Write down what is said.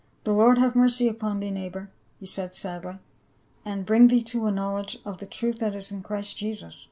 "The Lord ha\e mercy upon thee, neighbor," he said sadK', "and bring thee to a knowledge of the truth as it is in Christ Jesus."